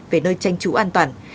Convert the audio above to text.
về nơi tranh trú an toàn